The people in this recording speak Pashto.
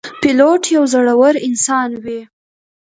پیلوټ یو زړهور انسان وي.